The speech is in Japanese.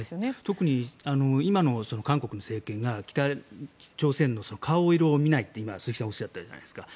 特に、今の韓国の政権が北朝鮮の顔色を見ないって今、鈴木さんがおっしゃったじゃないですか。